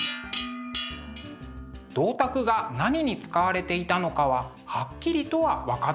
銅鐸が何に使われていたのかははっきりとは分かっていません。